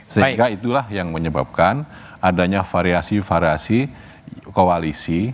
sehingga itulah yang menyebabkan adanya variasi variasi koalisi